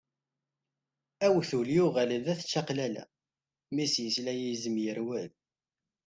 Awtul yuɣal d at čaqlala, mi s-yesla yizem yerwel.